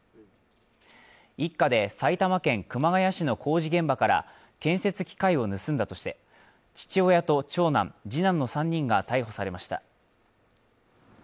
一家で埼玉県熊谷市の工事現場から建設機械を盗んだとして、父親と長男、次男の３人が逮捕されました。